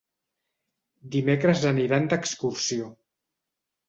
Dimecres aniran d'excursió.